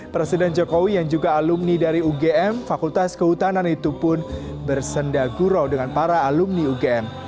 presiden jokowi yang juga alumni dari ugm fakultas kehutanan itu pun bersendagurau dengan para alumni ugm